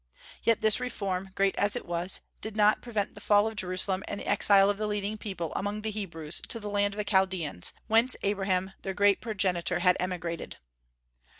Yet this reform, great as it was, did not prevent the fall of Jerusalem and the exile of the leading people among the Hebrews to the land of the Chaldeans, whence Abraham their great progenitor had emigrated.